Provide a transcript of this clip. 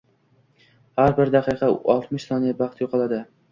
Har bir daqiqada oltmish soniya baxt yo'qoladi.